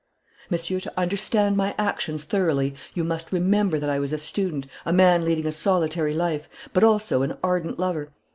"Monsieur, to understand my actions thoroughly, you must remember that I was a student, a man leading a solitary life, but also an ardent lover.